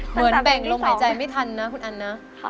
เหมือนแบ่งลมหายใจไม่ทันนะคุณอันนะ